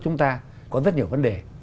chúng ta có rất nhiều vấn đề